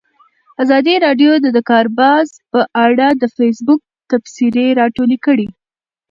ازادي راډیو د د کار بازار په اړه د فیسبوک تبصرې راټولې کړي.